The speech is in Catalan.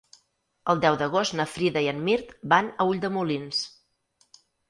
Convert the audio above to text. El deu d'agost na Frida i en Mirt van a Ulldemolins.